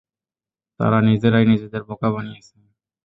তারা নিজেরাই নিজেদের বোকা বানিয়েছে।